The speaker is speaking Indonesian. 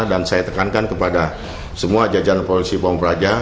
dan saya tekankan kepada semua jajanan polisi pemperaja